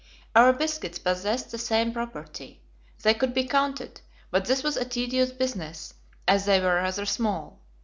Our biscuits possessed the same property they could be counted, but this was a tedious business, as they were rather small.